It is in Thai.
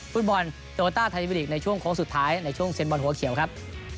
ฟุตบอลโตโลต้าไทยวิลีกในช่วงโค้งสุดท้ายในช่วงเซ็นบอลหัวเขียวครับ